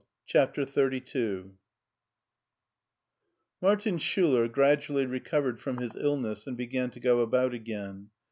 CHAPTER XXXII MARTIN SCHULER gradually recovered from his illness and began to go about again.